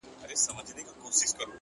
هره ستونزه د ودې بلنه ده